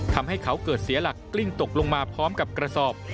ทำให้เขาเกิดเสียหลักกลิ้งตกลงมาพร้อมกับกระสอบ